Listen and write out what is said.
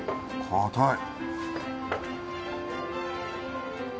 硬い。